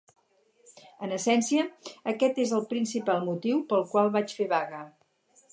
En essència, aquest és el principal motiu pel qual vaig fer vaga.